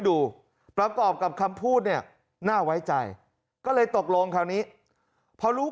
ดูประกอบกับคำพูดเนี่ยน่าไว้ใจก็เลยตกลงคราวนี้พอรู้